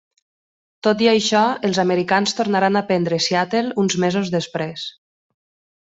Tot i això, els americans tornaran a prendre Seattle uns mesos després.